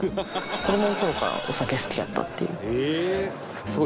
子どもの頃からお酒好きだったっていう。